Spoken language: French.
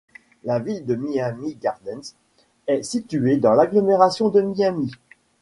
La ville de Miami Gardens est située dans l'agglomération de Miami.